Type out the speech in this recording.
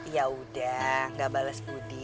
ya udah gak bales budi